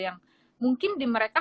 yang mungkin di mereka